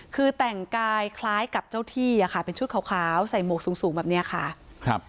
คือแต่งกายคล้ายกับเจ้าที่อะค่ะเป็นชุดขาวใส่หมวกสูงสูงแบบเนี้ยค่ะครับ